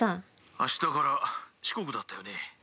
明日から四国だったよね？